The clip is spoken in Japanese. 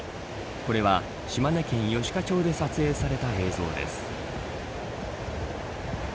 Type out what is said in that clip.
これは島根県吉賀町で撮影された映像です。